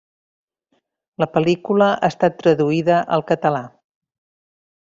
La pel·lícula ha estat traduïda al català.